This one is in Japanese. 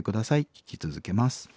聴き続けます」。